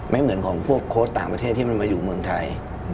ไม่เหมือนของพวกโค้ชต่างประเทศที่มันมาอยู่เมืองไทย